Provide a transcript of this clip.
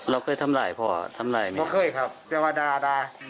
เราเคยทำลายพอทำลายไหม